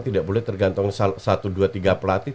tidak boleh tergantung satu dua tiga pelatih